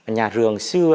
nhà rường xưa